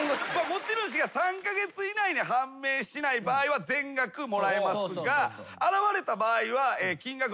持ち主が３カ月以内に判明しない場合は全額もらえますが現れた場合は金額の５２０％を持ち主と相談。